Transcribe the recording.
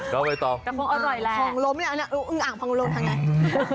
เดี๋ยวไปต่อพองล้มแหละอึงอังพองล้มทางไหน